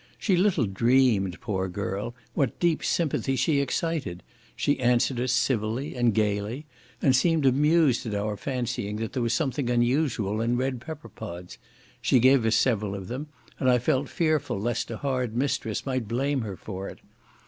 She little dreamed, poor girl, what deep sympathy she excited; she answered us civilly and gaily, and seemed amused at our fancying there was something unusual in red pepper pods; she gave us several of them, and I felt fearful lest a hard mistress might blame her for it.